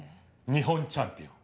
日本チャンピオン。